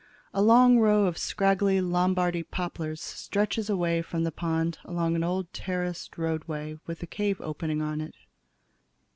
A long row of scraggly Lombardy poplars stretches away from the pond along an old terraced roadway with a cave opening on it.